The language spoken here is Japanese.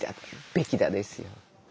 「べきだ」ですよ。